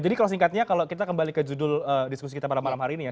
jadi kalau singkatnya kalau kita kembali ke judul diskusi kita pada malam hari ini ya